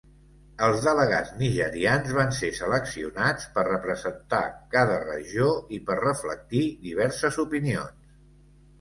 Els delegats nigerians van ser seleccionats per representar cada regió i per reflectir diverses opinions.